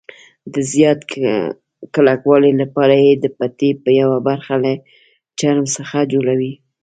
د زیات کلکوالي لپاره یې د پټۍ یوه برخه له چرم څخه جوړوي.